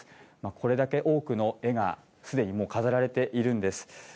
これだけ多くの絵がすでにもう飾られているんです。